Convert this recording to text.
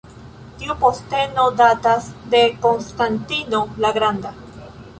Tiu posteno datas de Konstantino la Granda.